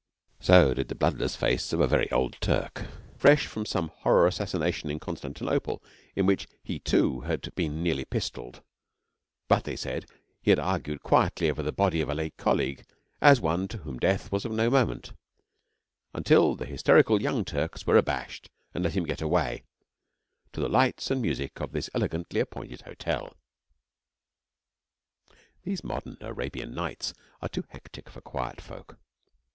So did the bloodless face of a very old Turk, fresh from some horror of assassination in Constantinople in which he, too, had been nearly pistolled, but, they said, he had argued quietly over the body of a late colleague, as one to whom death was of no moment, until the hysterical Young Turks were abashed and let him get away to the lights and music of this elegantly appointed hotel. These modern 'Arabian Nights' are too hectic for quiet folk.